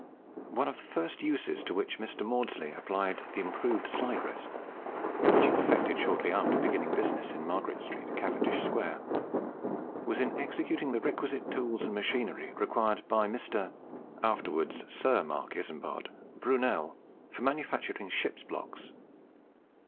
One of the first uses to which Mr. Maudslay applied the improved slide rest, which he perfected shortly after beginning business in Margaret Street, Cavendish Square, was in executing the requisite tools and machinery required by Mr. (afterwards Sir Marc Isambard) Brunel for manufacturing ships' blocks.